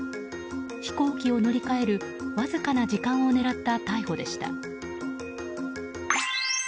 飛行機を乗り換えるわずかな時間を狙った逮捕でした。